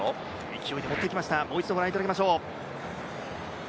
勢いでもっていきました、もう一度ご覧いただきましょう。